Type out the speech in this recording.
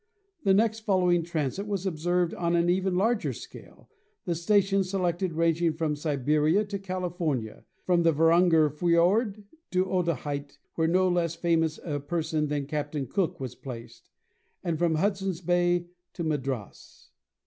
The next following transit was observed on an even larger scale, the stations selected ranging from Siberia to California, from the Varanger Fjord to Otaheite (where no less famous a per son than Captain Cook was placed), and from Hudson's Bay to Madras.